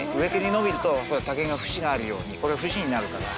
伸びると竹が節があるようにこれ節になるから。